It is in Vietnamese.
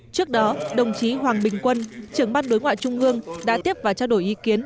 trước đó đồng chí hoàng bình quân trưởng ban đối ngoại trung ương đã tiếp và trao đổi ý kiến